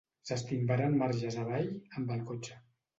S'estimbaren marges avall amb el cotxe.